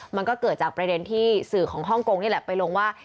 มันก็เกิดจากประเด็นที่สื่อของฮ่องกงนี่แหละไปลงว่า